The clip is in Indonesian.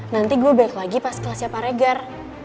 nanti gue balik lagi pas kelasnya pak regar